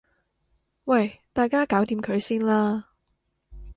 喂大家搞掂佢先啦